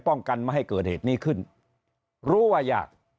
ป้องกันไม่ให้เกิดเหตุนี้ขึ้นรู้ว่าอยาก